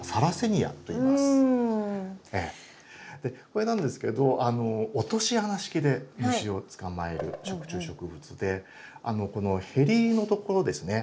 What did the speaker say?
これなんですけど落とし穴式で虫を捕まえる食虫植物でこのヘリのところですね